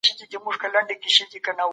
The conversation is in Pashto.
میشت ښارونو له ډلي څخه یاد سوی دی